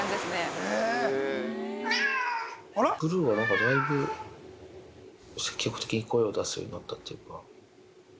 ブルーが、なんかだいぶ、積極的に声を出すようになったっていうか。